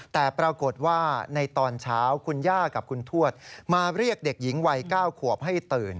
แต่ปรากฏว่าในตอนเช้าคุณย่ากับคุณทวดมาเรียกเด็กหญิงวัย๙ขวบให้ตื่น